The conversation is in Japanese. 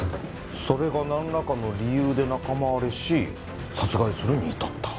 それがなんらかの理由で仲間割れし殺害するに至った。